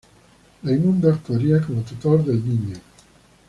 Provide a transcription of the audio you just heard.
Raimundo actuaría como tutor del niño.